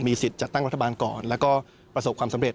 สิทธิ์จัดตั้งรัฐบาลก่อนแล้วก็ประสบความสำเร็